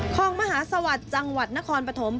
ของมหาสวัสดิ์จังหวัดนครปฐม